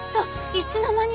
いつの間に？